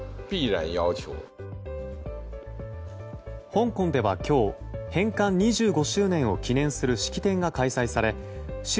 香港では今日返還２５周年を記念する式典が開催され習